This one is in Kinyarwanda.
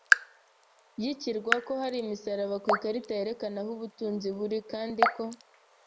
y'ikirwa, ko hari imisaraba ku ikarita yerekana aho ubutunzi buri, kandi ko